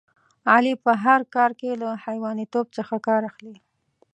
علي په هر کار کې له حیوانتوب څخه کار اخلي.